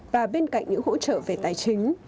và bên cạnh những hỗ trợ về tài chính